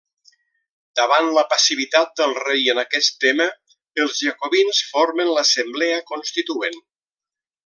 Davant la passivitat del rei en aquesta tema, els jacobins formen l'Assemblea Constituent.